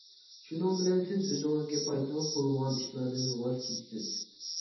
شۇنىڭ بىلەن، سىز ئۆزىڭىزگە پايدىلىق بولمىغان ئىشلاردىن ۋاز كېچىسىز.